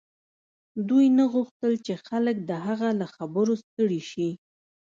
دوی نه غوښتل چې خلک د هغه له خبرو ستړي شي